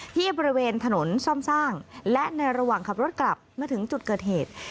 ที่บริเวณถนนซ่อมสร้างและในระหว่างขับรถกลับมาถึงจุดเกิดเหตุ